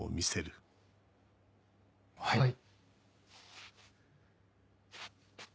はい。